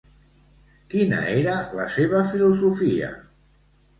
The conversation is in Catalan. Quina era la seva filosofia?